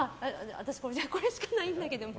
私これしかないんだけど。